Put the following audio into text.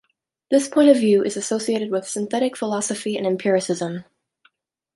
This point of view is associated with synthetic philosophy and empiricism.